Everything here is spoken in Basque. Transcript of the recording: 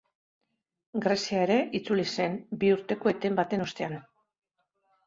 Grezia ere itzuli zen, bi urteko eten baten ostean.